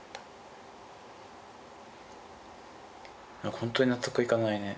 ほんとに納得いかないね。